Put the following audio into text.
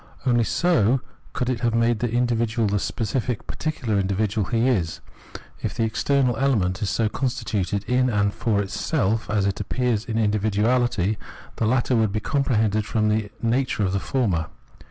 Only so could it have made the individual the specific particular individual he is. If the external element is so constituted in and for itself as it appears in individuahty, the latter would be comprehended from the nature of the former.